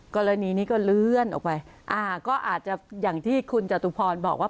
กรณีนี้ก็เลื่อนออกไปอ่าก็อาจจะอย่างที่คุณจตุพรบอกว่า